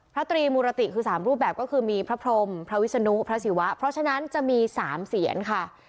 ตรีมูรติคือ๓รูปแบบก็คือมีพระพรมพระวิศนุพระศิวะเพราะฉะนั้นจะมี๓เสียนค่ะ